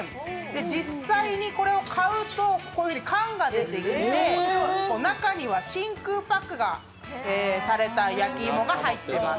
実際にこれを買うとこういうふうに缶が出てきて、中には真空パックされた焼き芋が入っています。